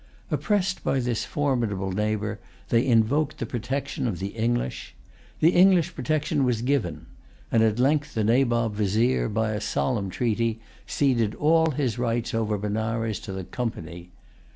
Oppressed by this formidable neighbor, they invoked the protection of the English. The English protection was given; and at length the Nabob Vizier, by a solemn treaty, ceded all his rights over Benares to the Company.